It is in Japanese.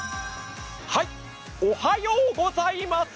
おはようございます！